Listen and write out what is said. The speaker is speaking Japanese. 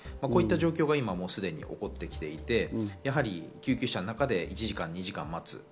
こういった状況がすでに起こってきていて、救急車の中で１時間、２時間待つ。